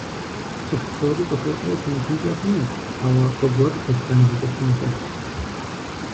Цӏыху псори цӏыхуфӏу щымытынкӏэ хъунщ, ауэ фӏы гуэр дэтхэнэ зы цӏыхуми хэлъщ.